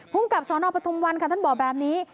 ภูมิกับศนพฤธมวันท่านบอกแบบนี้